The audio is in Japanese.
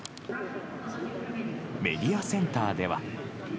メディアセンターでは。